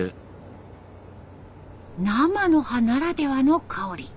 生の葉ならではの香り。